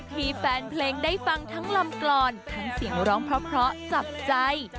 ที่แฟนผลิกได้ฟังทั้งลำกรอนทั้งเสียงร้องภร้อจับใจ